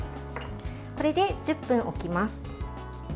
これで１０分置きます。